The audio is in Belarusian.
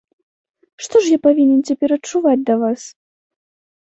Што ж я павінен цяпер адчуваць да вас?